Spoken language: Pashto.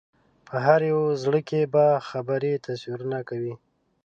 په هر یو زړه کې به خبرې تصویرونه کوي